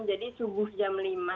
jadi subuh jam lima